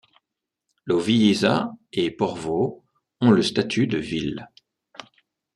Loviisa et Porvoo ont le statut de villes.